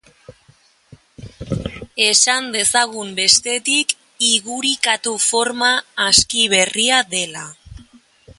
Esan dezagun, bestetik, "igurikatu" forma aski berria dela.